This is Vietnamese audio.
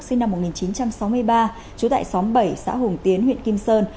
sinh năm một nghìn chín trăm sáu mươi ba trú tại xóm bảy xã hùng tiến huyện kim sơn